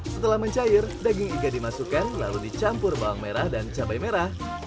setelah mencair daging iga dimasukkan lalu dicampur bawang merah dan cabai merah